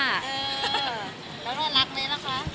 แล้วก็รักเลยล่ะคะ